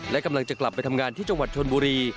และกำลังจะกลับไปทำงานที่จังหวัดชนบุรี